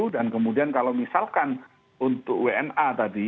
dan kemudian kalau misalkan untuk wna tadi